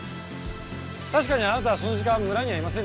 確かにあなたはその時間村にはいませんでした。